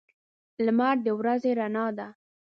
لمر د ورځې رڼا ده.